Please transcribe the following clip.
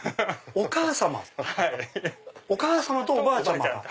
お母様とおばあちゃま？